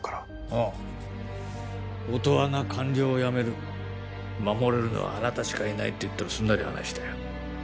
ああ音羽が官僚を辞める守れるのはあなたしかいないって言ったらすんなり話したよ